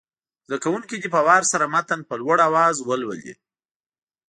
زده کوونکي دې په وار سره متن په لوړ اواز ولولي.